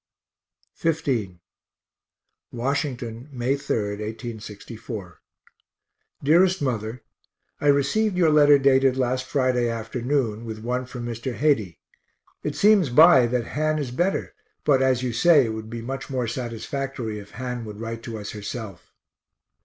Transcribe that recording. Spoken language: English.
XV Washington, May 3, 1864. DEAREST MOTHER I received your letter dated last Friday afternoon, with one from Mr. Heyde. It seems by that Han is better, but, as you say, it would be much more satisfactory if Han would write to us herself.